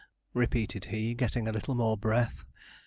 repeated he, getting a little more breath.